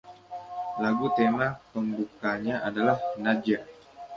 Lagu tema pembukanya adalah Nadja!!